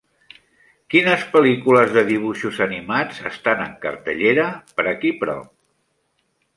Quines pel·lícules de dibuixos animats estan en cartellera per aquí prop?